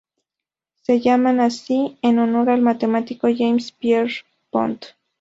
Se llaman así en honor al matemático James Pierpont.